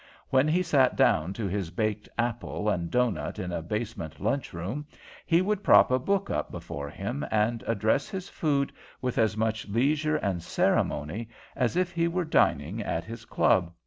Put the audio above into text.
When he sat down to his baked apple and doughnut in a basement lunch room, he would prop a book up before him and address his food with as much leisure and ceremony as if he were dining at his club.